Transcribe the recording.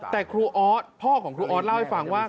แต่ครูออสพ่อของครูออสเล่าให้ฟังว่า